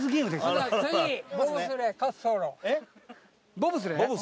ボブスレー？